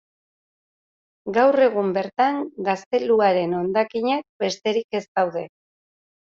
Gaur egun bertan gazteluaren hondakinak besterik ez daude.